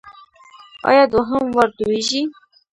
ایا دوهم وار توییږي؟